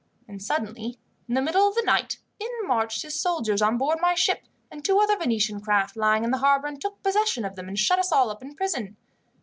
And suddenly, in the middle of the night, in marched his soldiers on board my ship, and two other Venetian craft lying in the harbour, and took possession of them, and shut us all up in prison.